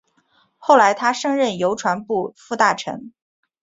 后来他升任邮传部副大臣。